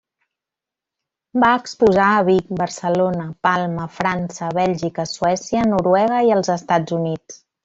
Va exposar a Vic, Barcelona, Palma, França, Bèlgica, Suècia, Noruega i els Estats Units.